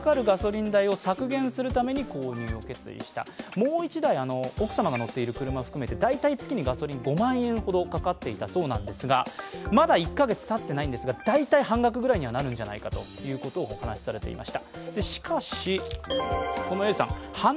もう一台、奥様が乗っている車を含めて月にガソリン５万円ほどかかっていたんだそうですがまだ１か月たっていないんですが、大体半額ぐらいになるんじゃないかとお話しされていました。